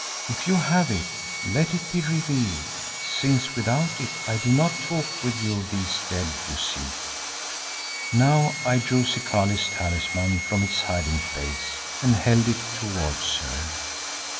If you have it, let it be revealed, since without it I do not talk with you of these dead you seek." Now I drew Zikali's talisman from its hiding place and held it towards her.